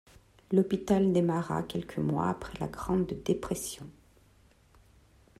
L'hôpital démarra quelques mois après la Grande Dépression.